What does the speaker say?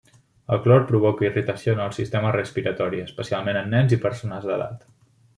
El clor provoca irritació en el sistema respiratori, especialment en nens i persones d'edat.